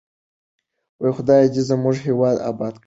خدای دې زموږ هېواد اباد کړي.